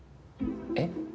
えっ？